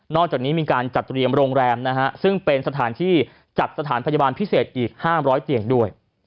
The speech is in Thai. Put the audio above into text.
จากนี้มีการจัดเตรียมโรงแรมนะฮะซึ่งเป็นสถานที่จัดสถานพยาบาลพิเศษอีก๕๐๐เตียงด้วย